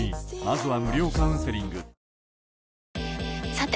さて！